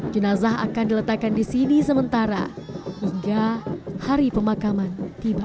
jenazah akan diletakkan di sini sementara hingga hari pemakaman tiba